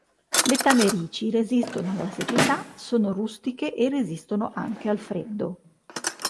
Le tamerici resistono alla siccità, sono rustiche e resistono anche al freddo.